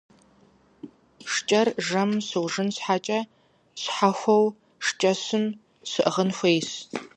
ШкӀэр жэмым щыужын щхьэкӀэ щхьэхуэу шкӀэщым щыӀыгъын хуейщ.